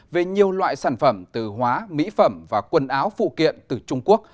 về nhiều loại sản phẩm từ hóa mỹ phẩm và quần áo phụ kiện từ trung quốc